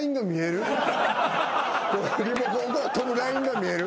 リモコンから飛ぶラインが見える。